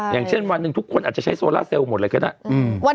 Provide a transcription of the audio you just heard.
อย่างเช่นวันหนึ่งทุกคนอาจจะใช้โซล่าเซลล์หมดเลยก็ได้